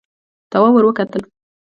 تواب ور وکتل.